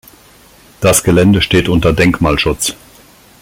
Das Gelände steht unter Denkmalschutz.